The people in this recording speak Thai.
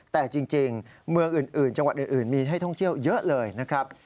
แต่จริงเมืองอื่นจังหวัดอื่นมีให้ท่องเที่ยวเยอะเลยนะครับ